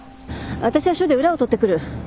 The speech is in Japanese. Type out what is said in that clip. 私は署で裏を取ってくる。